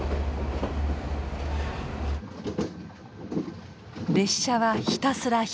列車はひたすら東へ。